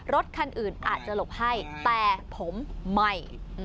รถคันอื่นอาจจะหลบให้แต่ผมไม่